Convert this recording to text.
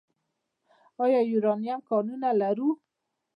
آیا د یورانیم کانونه لرو؟